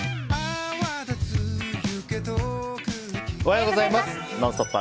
おはようございます。